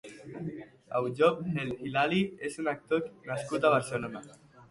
Ayoub El Hilali és un actor nascut a Barcelona.